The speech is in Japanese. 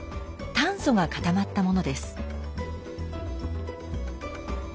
炭素が固まったものです。